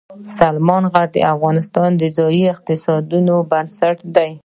سلیمان غر د افغانستان د ځایي اقتصادونو بنسټ دی.